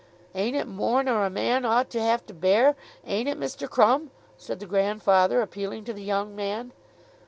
"Ain't it more nor a man ought to have to bear; ain't it, Mr. Crumb?" said the grandfather appealing to the young man.